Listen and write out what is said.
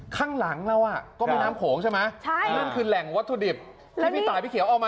ข้างหลังเราก็มีน้ำโขงใช่ไหม